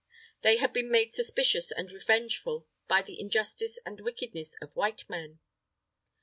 They had been made suspicious and revengeful by the injustice and wickedness of white men.